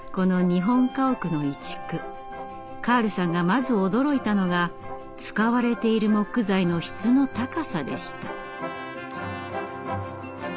カールさんがまず驚いたのが使われている木材の質の高さでした。